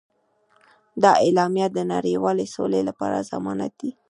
دا اعلامیه د نړیوالې سولې لپاره ضمانت دی.